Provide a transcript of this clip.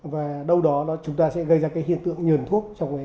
và đâu đó chúng ta sẽ gây ra cái hiện tượng nhuận thuốc trong cái